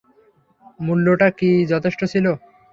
মূল্যটা কি যথেষ্ট ছিল?